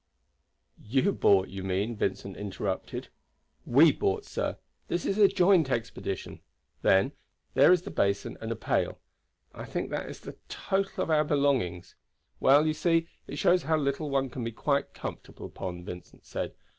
"You bought, you mean," Vincent interrupted. "We bought, sir; this is a joint expedition. Then, there is the basin and a pail. I think that is the total of our belongings." "Well, you see, it shows how little one can be quite comfortable upon," Vincent said.